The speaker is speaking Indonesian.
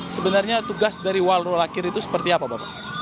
sebenarnya tugas dari walrul akhir itu seperti apa bapak